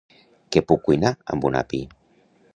Què puc cuinar amb un api?